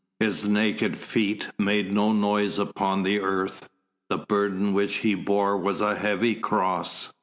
His naked feet made no noise upon the earth, the burden which He bore was a heavy Cross.